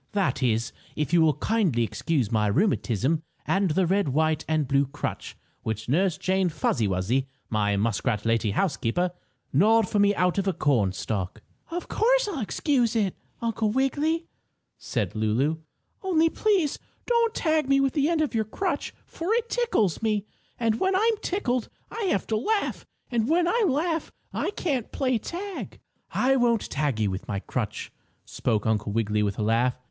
"That is, if you will kindly excuse my rheumatism, and the red, white and blue crutch which Nurse Jane Fuzzy Wuzzy, my muskrat lady housekeeper, gnawed for me out of a cornstalk." "Of course, I'll excuse it, Uncle Wiggily," said Lulu. "Only please don't tag me with the end of your crutch, for it tickles me, and when I'm tickled I have to laugh, and when I laugh I can't play tag." "I won't tag you with my crutch," spoke Uncle Wiggily with a laugh.